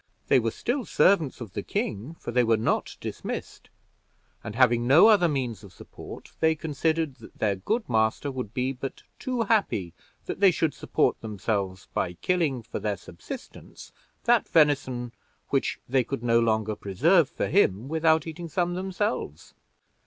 They were still servants of the king, for they were not dismissed; and, having no other means of support, they considered that their good master would be but too happy that they should support themselves by killing, for their subsistence, that venison which they could no longer preserve for him without eating some themselves."